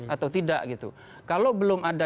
atau tidak gitu kalau belum ada